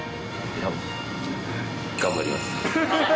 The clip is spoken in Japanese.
頑張ります。